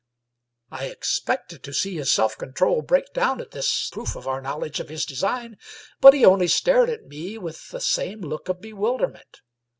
I expected to see his self control break down at this proof of our knowledge of his design, but he only stared at me with the same look of bewilderment.